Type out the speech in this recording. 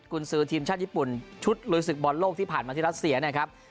คุณซื้อทีมชาติญี่ปุ่นชุดลุยศึกบอลโลกที่ผ่านมาที่รัสเซียนะครับ